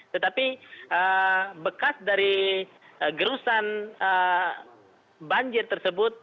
tetapi bekas dari gerusan banjir tersebut